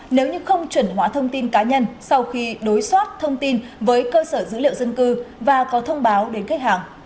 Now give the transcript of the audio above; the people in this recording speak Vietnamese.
nếu như không chuẩn hóa thông tin cá nhân sau khi đối soát thông tin với cơ sở dữ liệu dân cư và có thông báo đến khách hàng